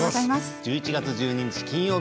１１月１２日